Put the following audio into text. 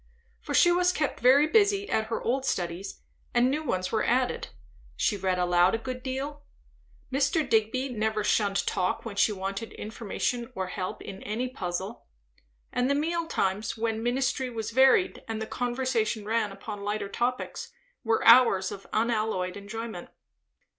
For she was kept very busy at her old studies, and new ones were added; she read aloud a good deal; Mr. Digby never shunned talk when she wanted information or help in any puzzle; and the meal times, when ministry was varied and the conversation ran upon lighter topics, were hours of unalloyed enjoyment.